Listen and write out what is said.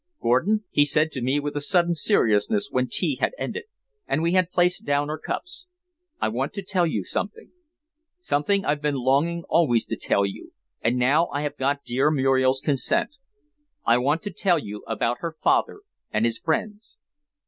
"Gordon," he said to me with a sudden seriousness when tea had ended and we had placed down our cups. "I want to tell you something something I've been longing always to tell you, and now I have got dear Muriel's consent. I want to tell you about her father and his friends."